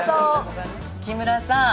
木村さん